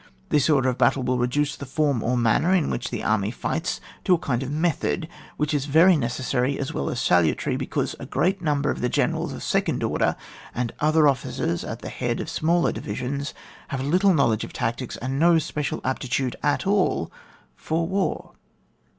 This order of battle will reduce the form or manner in which the army fights to a kind of method^ which is very necessaiy as well as salutaiy, he cause a great number of the generals of second order, and other o£&cers at the head of smaller divisions, have httle knowledge of tactics, and no special apti tude at all for war.